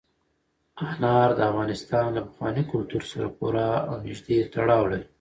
انار د افغانستان له پخواني کلتور سره پوره او نږدې تړاو لري.